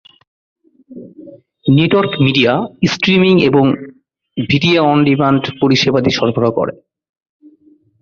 Network media streaming এবং video on demand পরিষেবাদি সরবরাহ করে।